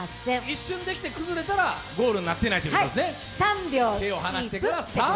一瞬できて崩れたらゴールになってないってことですね。